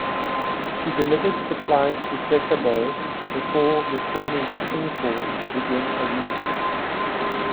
She delivered supplies to Sasebo before returning to Singapore to begin a refit.